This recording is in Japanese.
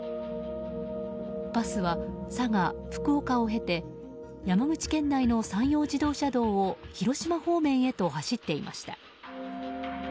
バスは佐賀、福岡を経て山口県内の山陽自動車道を広島方面へと走っていました。